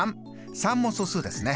３も素数ですね。